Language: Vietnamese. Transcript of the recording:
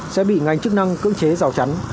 sẽ bị ngành chức năng cưỡng chế rào chắn